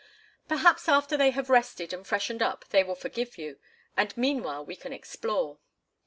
Perhaps after they have rested and freshened up they will forgive you, and meanwhile we can explore."